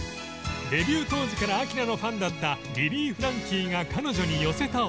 デビュー当時から明菜のファンだったリリー・フランキーが彼女に寄せた思い。